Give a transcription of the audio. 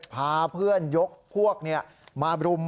พาเพื่อนยกพวกมารุม